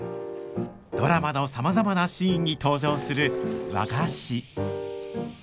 ドラマのさまざまなシーンに登場する和菓子。